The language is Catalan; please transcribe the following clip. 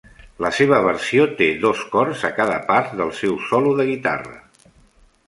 La seva versió té dos cors a cada part del seu solo de guitarra.